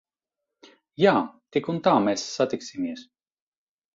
Jā. Tik un tā mēs satiksimies.